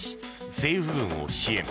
政府軍を支援。